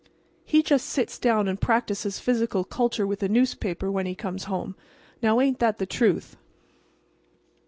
He just sits down and practises physical culture with a newspaper when he comes home—now ain't that the truth?"